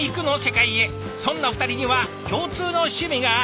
そんな２人には共通の趣味がある。